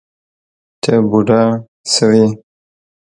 ته بوډه شوې